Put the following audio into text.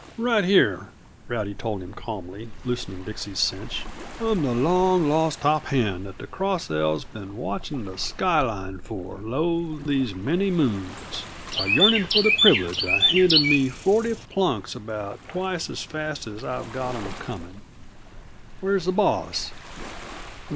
"Right here," Rowdy told him calmly, loosening Dixie's cinch. "I'm the long lost top hand that the Cross L's been watching the sky line for, lo! these many moons, a yearning for the privilege of handing me forty plunks about twice as fast as I've got 'em coming. Where's the boss?"